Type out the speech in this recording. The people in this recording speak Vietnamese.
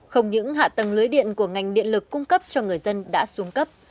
không những hạ tầng lưới điện của ngành điện lực cung cấp cho người dân đã xuống cấp